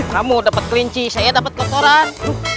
kamu dapat kerinci saya dapat kosoran